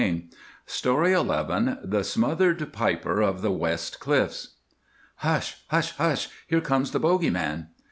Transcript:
The Smothered Piper of the West Cliffs. "_Hush! hush! hush! Here comes the Bogie Man.